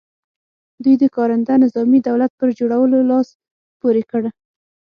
دوی د کارنده نظامي دولت پر جوړولو لاس پ ورې کړ.